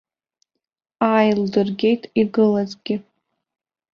Ааилдыргеит игылазгьы.